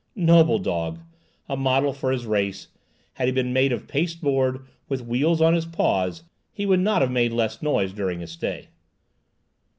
Noble dog!— a model for his race. Had he been made of pasteboard, with wheels on his paws, he would not have made less noise during his stay.